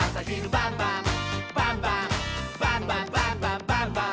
「バンバンバンバンバンバン！」